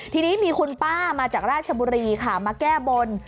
ทีนี้มีคุณป้ามาจากราชบุรีค่ะมาแก้บน